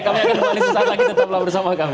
kami akan kembali sesaat lagi tetaplah bersama kami